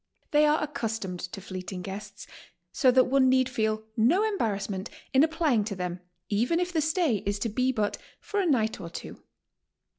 They are accustomed to fleet ing guests, so that one need feel no embarrassment in apply ing to them even if the stay is to be for but a night or two.